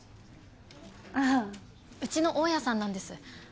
ああうちの大家さんなんです